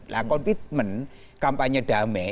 nah komitmen kampanye damai